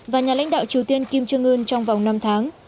và nhà lãnh đạo triều tiên kim jong un trong vòng năm tháng